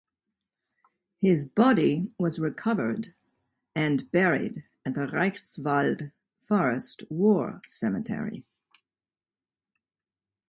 His body was recovered and buried at the Reichswald Forest War Cemetery.